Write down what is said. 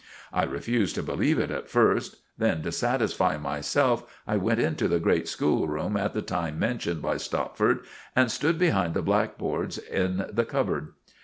I refused to believe it at first. Then, to satisfy myself, I went into the great school room at the time mentioned by Stopford and stood behind the blackboards in the cupboard."